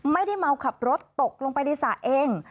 ไม่ได้เมาขับรถตกลงไปในสระเอง